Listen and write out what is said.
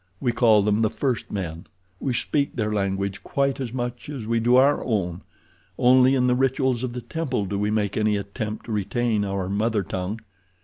We call them the first men—we speak their language quite as much as we do our own; only in the rituals of the temple do we make any attempt to retain our mother tongue.